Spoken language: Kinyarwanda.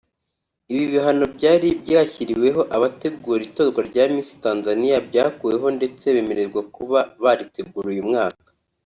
Ibi bihano byari byashyiriweho abategura itorwa rya Miss Tanzania byakuweho ndetse bemererwa kuba baritegura uyu mwaka